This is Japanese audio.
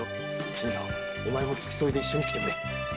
新さんも付き添いで一緒に来てくれ。